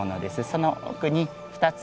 その奥に２つ。